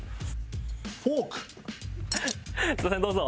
すみませんどうぞ。